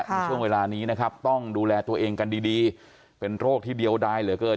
ในช่วงเวลานี้นะครับต้องดูแลตัวเองกันดีเป็นโรคที่เดียวดายเหลือเกิน